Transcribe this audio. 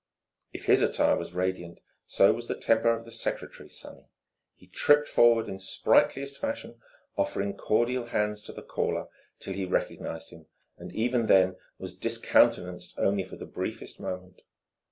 If his attire was radiant, so was the temper of the secretary sunny. He tripped forward in sprightliest fashion, offering cordial hands to the caller till he recognized him, and even then was discountenanced only for the briefest moment.